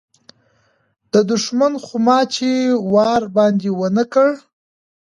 و دښمن خو ما چي وار باندي و نه کړ